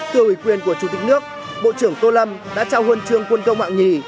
từ ủy quyền của chủ tịch nước bộ trưởng tô lâm đã trao huân trương quân công hạng nhì